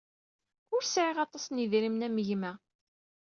Ur sɛiɣ aṭas n yedrimen am gma.